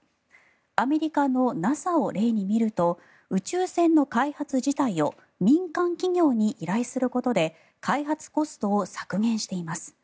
アメリカのＮＡＳＡを例に見ると宇宙船の開発自体を民間企業に依頼することで開発コストを削減しています。